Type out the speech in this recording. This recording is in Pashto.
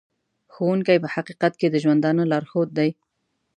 ښوونکی په حقیقت کې د ژوندانه لارښود دی.